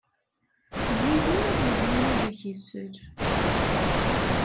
Yiwen ur yezmir ad k-d-isel.